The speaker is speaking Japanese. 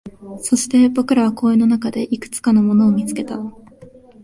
そして、僕らは公園の中でいくつかのものを見つけた